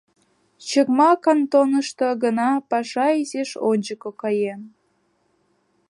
Чыкма кантонышто гына паша изиш ончыко каен.